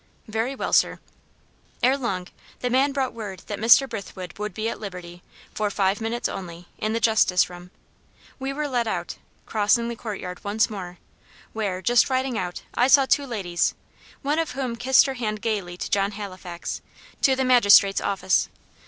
"Very well, sir." Ere long, the man brought word that Mr. Brithwood would be at liberty, for five minutes only, in the justice room. We were led out, crossing the court yard once more where, just riding out, I saw two ladies, one of whom kissed her hand gaily to John Halifax to the magistrate's office.